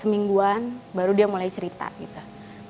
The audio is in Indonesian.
semingguan baru dia mulai cerita gitu